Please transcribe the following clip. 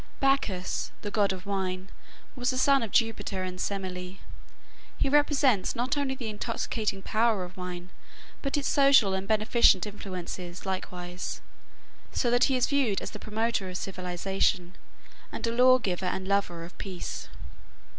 Bacchus (Dionysus), the god of wine, was the son of Jupiter and Semele. He represents not only the intoxicating power of wine, but its social and beneficent influences likewise, so that he is viewed as the promoter of civilization, and a lawgiver and lover of peace.